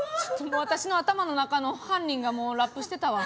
私の頭の中の犯人がもうラップしてたわ。